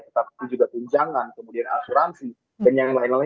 tetapi juga tunjangan kemudian asuransi dan yang lain lain